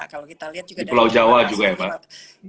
kalau kita lihat juga pulau jawa juga ya pak